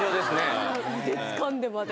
腕つかんでまで。